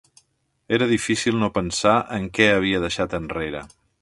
Era difícil no pensar en què havia deixat enrere.